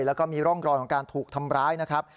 แล้วก็มีร่องรอยของการถูกทำร้ายนะครับ